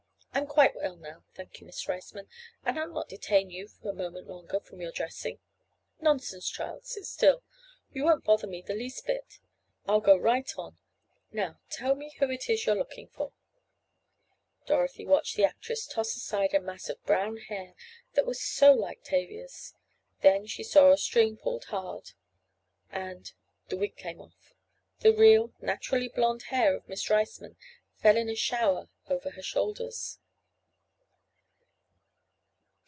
"I'm quite well now, thank you, Miss Riceman, and I'll not detain you a moment longer from your dressing." "Nonsense, child, sit still. You won't bother me the least bit. I'll go right on. Now tell me who it is you're looking for?" Dorothy watched the actress toss aside a mass of brown hair that was so like Tavia's. Then she saw a string pulled and—the wig came off. The real, naturally blond hair of Miss Riceman fell in a shower over her shoulders.